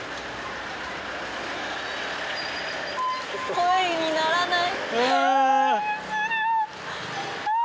声にならない。